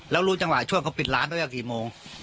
แล้วรู้จังหวะช่วงเขาปิดร้านตั้งแต่กี่โมง